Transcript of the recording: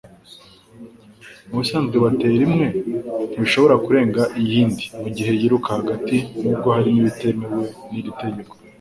Mubisanzwe bateri imwe ntishobora kurenga iyindi mugihe yiruka hagati nubwo hariho ibitemewe niri tegeko